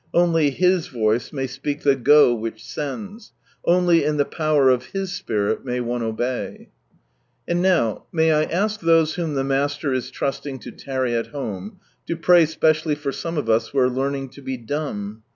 Only His voice may speak the " Go !" which sends. Only in the power of His Spirit may one obey. And now may I ask those whom the Master is trusting to tarry at home, to pray specially for some of us who are learning to be dumb?